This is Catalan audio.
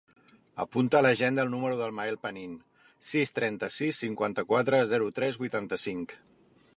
Apunta a l'agenda el número del Mael Penin: sis, trenta-sis, cinquanta-quatre, zero, tres, vuitanta-cinc.